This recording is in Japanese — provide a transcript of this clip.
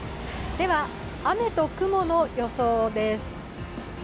雨と雲の予想です。